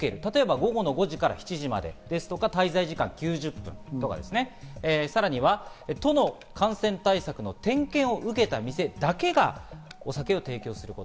午後の５時から７時までですとか、滞在時間９０分とか、都の感染対策の点検を受けた店だけがお酒を提供する。